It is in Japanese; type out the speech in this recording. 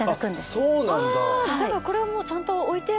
あっそうなんだ。